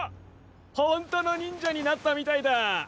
ホントの忍者になったみたいだ！